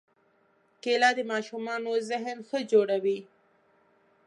کېله د ماشومانو ذهن ښه جوړوي.